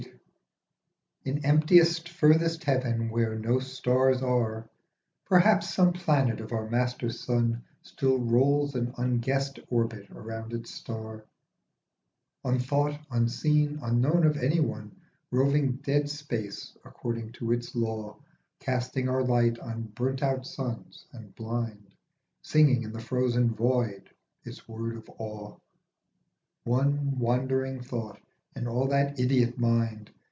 IN emptiest furthest heaven where no stars are, Perhaps some planet of our master sun Still rolls an unguessed orbit round its star, Unthought, unseen, unknown of anyone. Roving dead space according to its law, Casting our light on burnt out suns and blind, Singing in the frozen void its word of awe, One wandering thought in all that idiot mind.